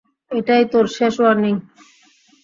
এটাই তোর শেষ ওয়ার্নিং।